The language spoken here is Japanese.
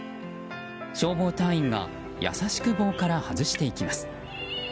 消防隊員が優しく棒から外していきます。